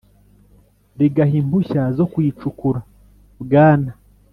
rigaha impushya zo kuyicukura Bwana